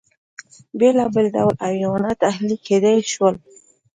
بېلابېل ډول حیوانات اهلي کېدای شول.